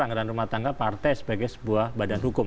anggaran rumah tangga partai sebagai sebuah badan hukum